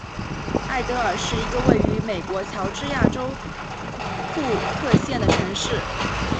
艾得尔是一个位于美国乔治亚州库克县的城市。